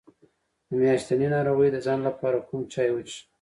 د میاشتنۍ ناروغۍ د ځنډ لپاره کوم چای وڅښم؟